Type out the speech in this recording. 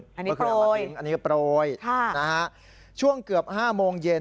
อันนี้โปรยอันนี้โปรยนะฮะช่วงเกือบ๕โมงเย็น